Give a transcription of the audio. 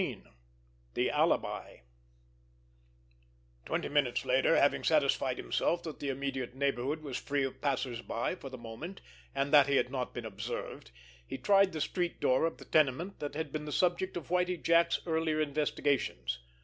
XV—THE ALIBI Twenty minutes later, having satisfied himself that the immediate neighborhood was free of passers by for the moment, and that he had not been observed, he tried the street door of the tenement that had been the subject of Whitie Jack's earlier investigations.